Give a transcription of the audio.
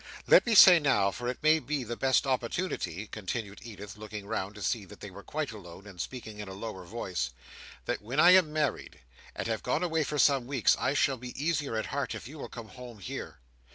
"Let me say now, for it may be the best opportunity," continued Edith, looking round to see that they were quite alone, and speaking in a lower voice, "that when I am married, and have gone away for some weeks, I shall be easier at heart if you will come home here.